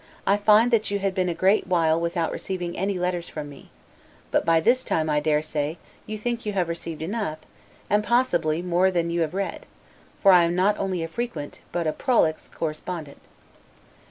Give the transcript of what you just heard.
I find that you had been a great while without receiving any letters from me; but by this time, I daresay you think you have received enough, and possibly more than you have read; for I am not only a frequent, but a prolix correspondent.